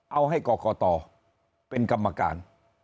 เอาให้กรกตเป็นกรรมการ